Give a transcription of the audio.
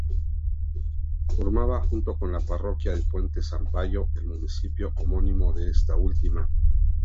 Formaba, junto con la parroquia de Puente Sampayo, el municipio homónimo de esta última.